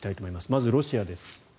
まずロシアです。